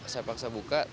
saya paksa buka